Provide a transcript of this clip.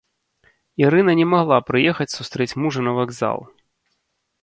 Ірына не магла прыехаць сустрэць мужа на вакзал.